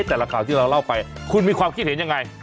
แต่ละข่าวที่เราเล่าไปคุณมีความคิดเห็นยังไง